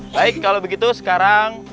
baik kalau begitu sekarang